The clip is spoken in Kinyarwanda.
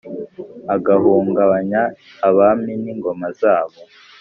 agahungabanya abami n’ingoma zabo,